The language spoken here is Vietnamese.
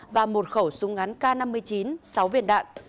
và một khẩu súng ngắn k năm mươi chín sáu viên đạn